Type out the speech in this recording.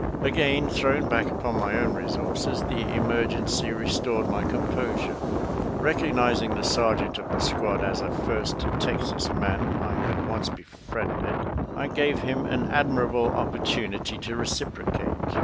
Again thrown back upon my own resources, the emergency restored my composure. Eecognizing the sergeant of the squad as a First Texas man I had once be friended, I gave him an admirable opportunity to reciprocate.